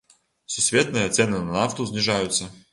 Сусветныя цэны на нафту зніжаюцца.